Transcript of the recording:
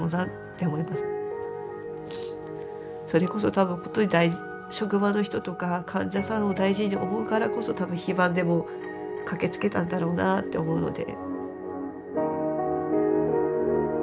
それこそ多分本当に職場の人とか患者さんを大事に思うからこそ多分非番でも駆けつけたんだろうなって思うので。